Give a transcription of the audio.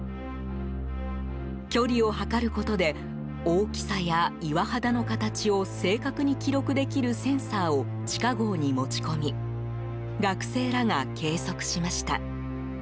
距離を測ることで大きさや岩肌の形を正確に記録できるセンサーを地下壕に持ち込み学生らが計測しました。